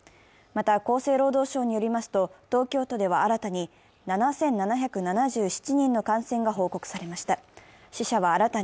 また厚生労働省によりますと東京都では新たに７７７７人の感染が報告されました。